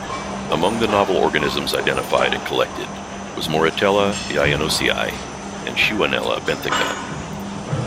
Among the novel organisms identified and collected was "Moritella yayanosii" and "Shewanella benthica".